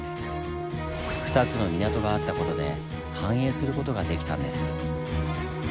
２つの港があった事で繁栄する事ができたんです。